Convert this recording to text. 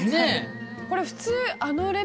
これ普通。